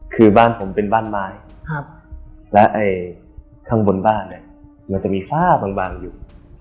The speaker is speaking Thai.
คือบ้านผมเป็นบ้านไม้และข้างบนบ้านเนี่ยมันจะมีฝ้าบางอยู่